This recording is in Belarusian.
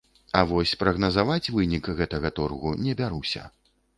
А вось прагназаваць вынік гэтага торгу не бяруся.